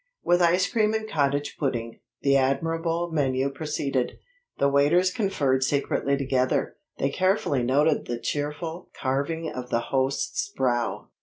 With ice cream and cottage pudding, the admirable menu proceeded. The waiters conferred secretly together. They carefully noted the cheerful carving of the host's brow.